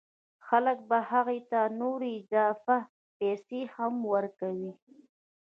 خلک به هغه ته نورې اضافه پیسې هم ورکوي